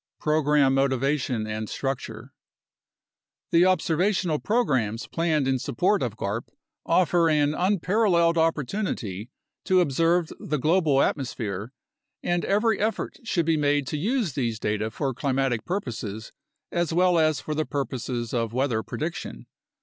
Program Motivation and Structure The observational programs planned in support of garp offer an un paralleled opportunity to observe the global atmosphere, and every effort should be made to use these data for climatic purposes as well as for the purposes of weather prediction.